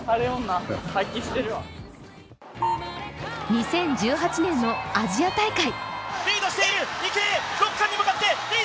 ２０１８年のアジア大会。